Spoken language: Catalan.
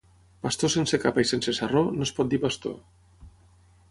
Pastor sense capa i sense sarró no es pot dir pastor.